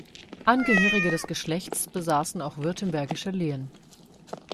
Angehörige des Geschlechts besaßen auch württembergische Lehen.